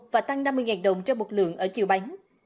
và tăng năm mươi đồng cho một lượng ở chiều bán